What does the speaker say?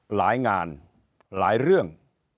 หลายงานหลายเรื่อง